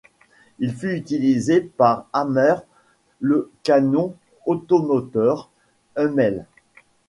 Il fut utilisé pour armer le canon automoteur Hummel.